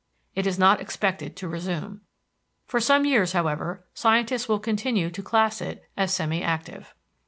It is not expected to resume. For some years, however, scientists will continue to class it as semi active.